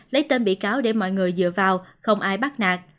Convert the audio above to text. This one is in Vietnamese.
lấy tên bị cáo để mọi người dựa vào không ai bắt nạc